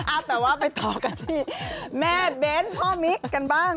เอาแต่ว่าไปต่อกันที่แม่เบ้นพ่อมิ๊กกันบ้าง